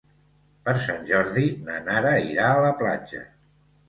Per Sant Jordi na Nara irà a la platja.